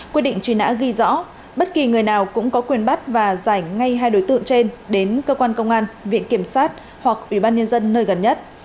quyết định truy nã ghi rõ bất kỳ người nào cũng có quyền bắt và giải ngay hai đối tượng trên đến cơ quan công an viện kiểm sát hoặc ủy ban nhân dân nơi gần nhất